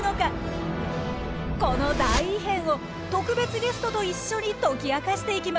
この大異変を特別ゲストと一緒に解き明かしていきます。